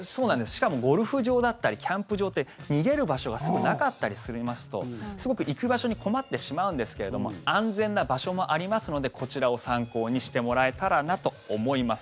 しかも、ゴルフ場だったりキャンプ場って逃げる場所が少なかったりしますとすごく行く場所に困ってしまうんですけれども安全な場所もありますのでこちらを参考にしてもらえたらと思います。